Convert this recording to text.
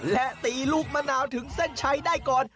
และตีลูกมะนาวถึงเส้นชัยได้ก่อน